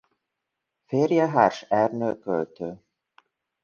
Férje Hárs Ernő költő.